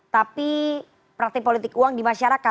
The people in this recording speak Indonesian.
tapi praktik politik uang di masyarakat